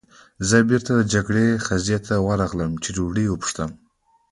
زه بېرته د جګړن خزې ته ورغلم، چې ډوډۍ وپوښتم.